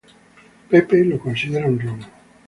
Josh lo considera un robo.